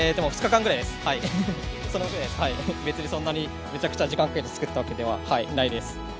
それぐらいです、別にそんなにめちゃくちゃ時間をかけて作ったわけではないです。